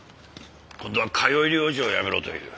今度は通い療治をやめろという。